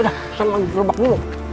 udah saya ambil gerobak dulu